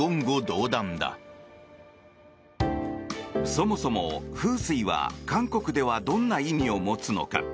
そもそも風水は韓国ではどんな意味を持つのか。